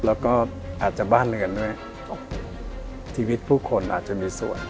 แล้วก็อาจจะบ้านเรือนด้วยชีวิตผู้คนอาจจะมีส่วน